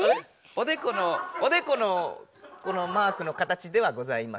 おでこのおでこのこのマークの形ではございません。